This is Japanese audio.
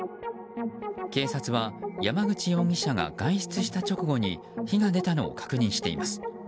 警察は山口容疑者が外出した直後に火が出たのを確認しています。